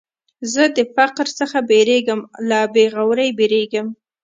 زه د فقر څخه بېرېږم، له بېغورۍ بېرېږم.